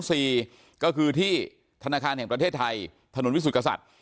สี่ก็คือที่ธนาคารแห่งประเทศไทยถนนวิสุทธิ์